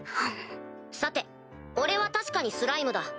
さて俺は確かにスライムだ。